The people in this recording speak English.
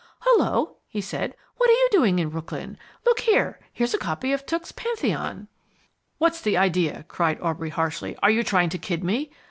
"Hullo!" he said. "What are you doing in Brooklyn? Look here, here's a copy of Tooke's Pantheon " "What's the idea?" cried Aubrey harshly. "Are you trying to kid me?